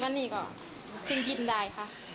วันนี้ก็จึงยิ่มได้